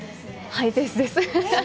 ハイペースです。